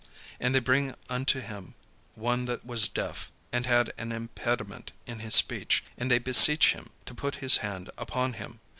And they bring unto him one that was deaf, and had an impediment in his speech; and they beseech him to put his hand upon him.